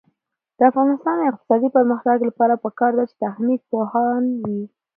د افغانستان د اقتصادي پرمختګ لپاره پکار ده چې تخنیک پوهان وي.